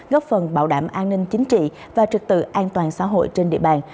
góp phần bảo đảm an ninh chính trị và trực tự an toàn xã hội trên địa bàn